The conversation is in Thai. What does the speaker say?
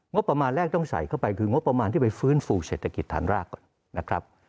งบประมาณแรกต้องใส่เข้าไปคืองบประมาณที่ไปฟื้นฟูเศรษฐกิจฐานรากก่อนนะครับ